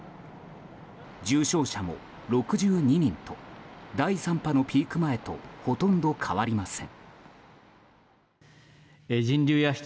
重症者も６２人と第３波のピーク前とほとんど変わりません。